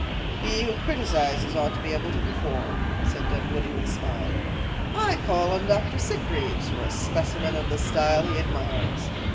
"He who criticizes ought to be able to perform," said Dunwoodie with a smile. "I call on Dr. Sitgreaves for a specimen of the style he admires."